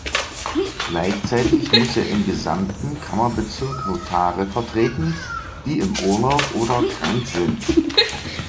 Gleichzeitig muss er im gesamten Kammerbezirk Notare vertreten, die im Urlaub oder krank sind.